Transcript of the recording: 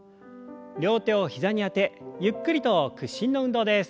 両手を膝にあてゆっくりと屈伸の運動です。